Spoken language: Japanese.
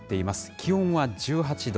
気温は１８度。